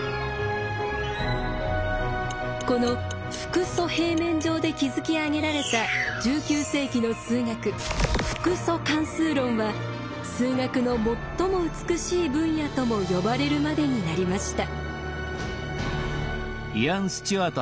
この複素平面上で築き上げられた１９世紀の数学複素関数論は数学の最も美しい分野とも呼ばれるまでになりました。